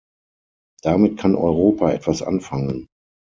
Damit kann Europa etwas anfangen.